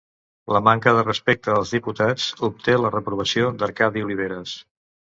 La manca de respecte als diputats obté la reprovació d'Arcadi Oliveres